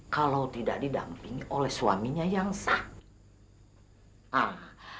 kalau tidak didampingi oleh suaminya yang sakit